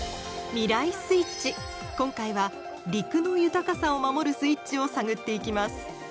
今回は「陸の豊かさを守るスイッチ」を探っていきます。